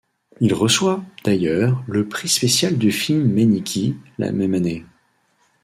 Il reçoit d'ailleurs le Prix spécial du film Mainichi la même année.